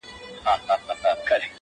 تا راته نه ويل چي نه کوم ضديت شېرينې,